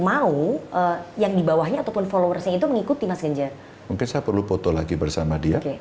mau yang di bawahnya ataupun followersnya itu mengikuti mas ganjar mungkin saya perlu foto lagi bersama dia